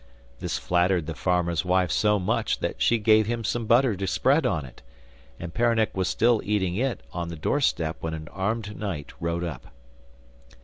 This flattered the farmer's wife so much that she gave him some butter to spread on it, and Peronnik was still eating it on the doorstep when an armed knight rode up.